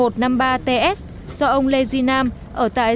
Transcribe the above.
do ông lê duy nam ở tại